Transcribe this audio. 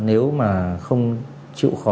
nếu mà không chịu khó